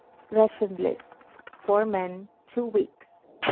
RATION LISTS, FOUR MEN, TWO WEEKS.